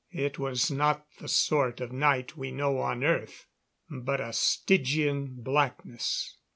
It was not the sort of night we know on earth, but a Stygian blackness.